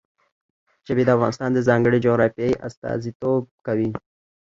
ژبې د افغانستان د ځانګړي جغرافیه استازیتوب کوي.